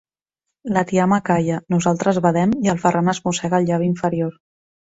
La tiama calla, nosaltres badem i el Ferran es mossega el llavi inferior.